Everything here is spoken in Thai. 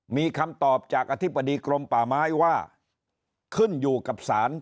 มีคำตอบจากอธิบดีกรมป่าไม้ว่าขึ้นอยู่กับศาล